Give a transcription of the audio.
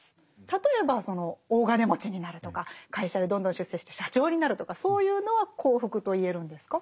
例えばその大金持ちになるとか会社でどんどん出世して社長になるとかそういうのは幸福と言えるんですか？